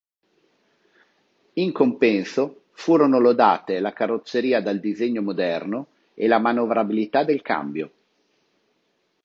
In compenso furono lodate la carrozzeria dal disegno moderno e la manovrabilità del cambio.